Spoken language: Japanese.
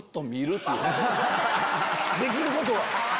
できることは。